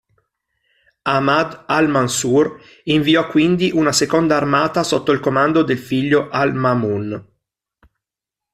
Aḥmad al-Manṣūr inviò quindi una seconda armata sotto il comando del figlio al-Maʾmūn.